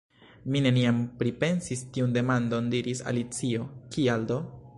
"Mi neniam pripensis tiun demandon," diris Alicio. "Kial do?"